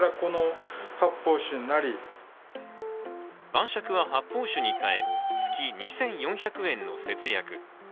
晩酌は発泡酒に変え、月２４００円の節約。